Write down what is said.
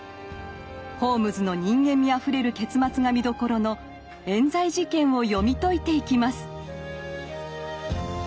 ホームズの人間味あふれる結末が見どころの「冤罪事件」を読み解いていきます。